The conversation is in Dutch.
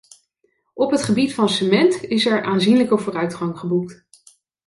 Op het gebied van cement is er aanzienlijke vooruitgang geboekt.